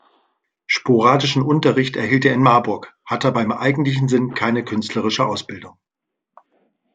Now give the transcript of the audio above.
Sporadischen Unterricht erhielt er in Marburg, hatte aber im eigentlichen Sinn keine künstlerische Ausbildung.